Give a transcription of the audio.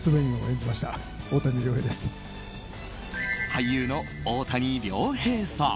俳優の大谷亮平さん。